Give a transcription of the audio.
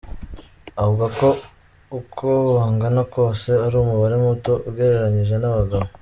Avuga ko uko bangana kose ari umubare muto ugereranyije n’abagabo.